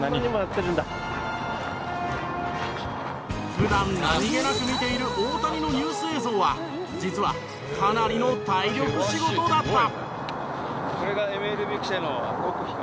普段何げなく見ている大谷のニュース映像は実はかなりの体力仕事だった。